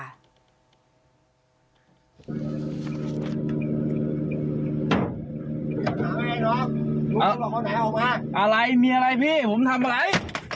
อะไรมีอะไรพี่ผมทำอะไร